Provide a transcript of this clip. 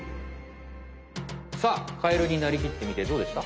さあカエルになりきってみてどうでした？